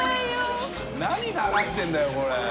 何流してるんだよこれ。